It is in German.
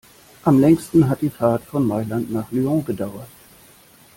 Am längsten hat die Fahrt von Mailand nach Lyon gedauert.